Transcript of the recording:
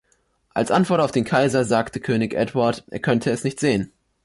Als Antwort auf den Kaiser, sagte König Edward, er könnte es nicht sehen.